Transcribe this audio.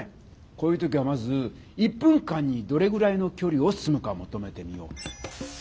こういう時はまず１分間にどれぐらいのきょりを進むかもとめてみよう。